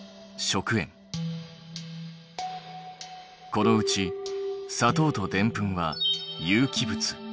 このうち砂糖とデンプンは有機物。